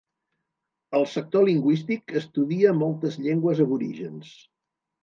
El sector lingüístic estudia moltes llengües aborígens.